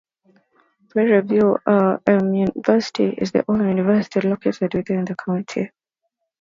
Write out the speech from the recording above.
Prairie View A and M University is the only university located within the county.